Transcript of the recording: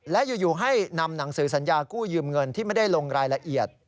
และอยู่ให้นำหนังสือสัญญากู้ยืมเงินที่ไม่ได้ลงรายละเอียด